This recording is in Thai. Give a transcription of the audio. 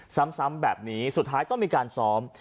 ซ้ำแบบนี้สุดท้ายต้องมีการซ้อม